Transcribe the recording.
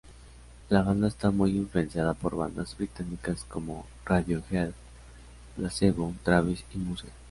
La banda está muy influenciada por bandas británicas como Radiohead, Placebo, Travis y Muse.